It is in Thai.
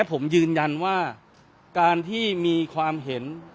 ผมยืนยันว่าการที่มีความเห็น